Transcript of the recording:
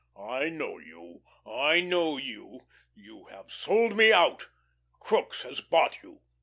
I know you, I know you. You have sold me out. Crookes has bought you.